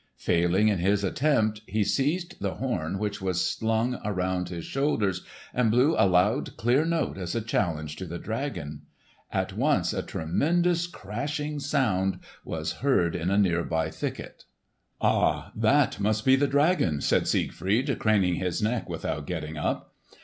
Failing in his attempt he seized the horn which was slung around his shoulders and blew a loud clear note as a challenge to the dragon. At once a tremendous crashing sound was heard in a near by thicket. "Ah! that must be the dragon!" said Siegfried craning his neck without getting up.